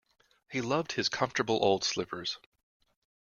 He loved his comfortable old slippers.